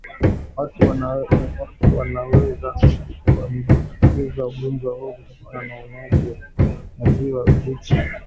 Watu wanaweza kuambukizwa ugonjwa huu kutokana na unywaji wa maziwa mabichi yaliyoambukizwa au vijusi